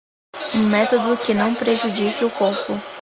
um método que não prejudique o corpo